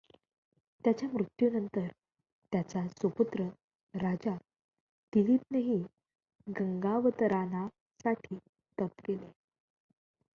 त्याच्या मृत्यूनंतर त्याचा सुपुत्र राजा दिलीपनेही गंगावतरणासाठी तप केले.